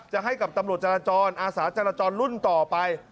ให้กับตำรวจจราจรอาสาจรจรรุ่นต่อไป